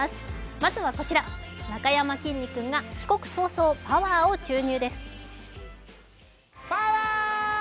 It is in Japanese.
まずはこちら、なかやまきんに君が帰国早々パワーを注入です。